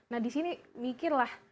nah di sini mikirlah